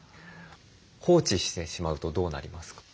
放置してしまうとどうなりますか？